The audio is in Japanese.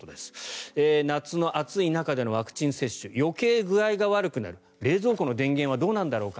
夏の暑い中でのワクチン接種余計具合が悪くなる冷蔵庫の電源はどうなんだろうか？